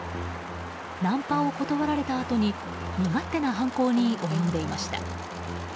ナンパを断られたあとに身勝手な犯行に及んでいました。